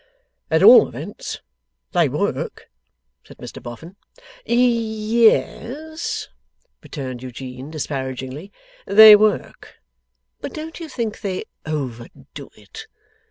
'At all events, they work,' said Mr Boffin. 'Ye es,' returned Eugene, disparagingly, 'they work; but don't you think they overdo it?